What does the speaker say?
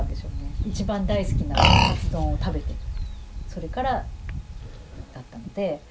一番大好きなかつ丼を食べてそれからだったので。